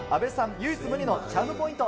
唯一無二のチャームポイント。